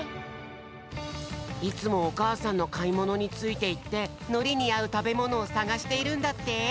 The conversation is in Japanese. いつもおかあさんのかいものについていってのりにあうたべものをさがしているんだって！